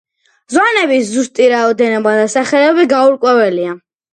ზონების ზუსტი რაოდენობა და სახელები გაურკვეველია.